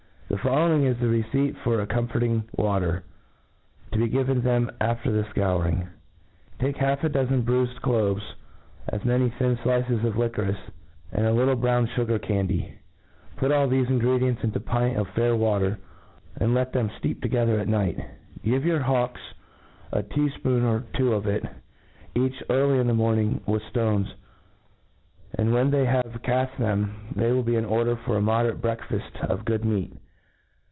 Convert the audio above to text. — ^Thc' following, is the teceipt for a comforting Water, to be given them after the fcouring. Take half a dozen bruifcd cloves, as many thin flices of liquo rice, and a little brown fugair candy. Put all thefc ingredients into a pint of fair water, and let them fteep together all night. Give your hawks a tea fpoonful or two of it, each, early in the morning, with ftones j and when they have caft them, they wifl be in order for a moderate breakfaft of good moat.